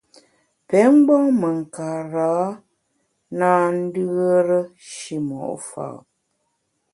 Pé mgbom me nkarâ na ndùere shimo’ fa’.